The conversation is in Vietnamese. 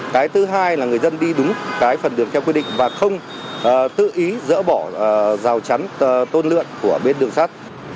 cái thứ hai là người dân đi đúng cái phần đường theo quy định và không tự ý dỡ bỏ rào chắn tôn lượn của bên đường sắt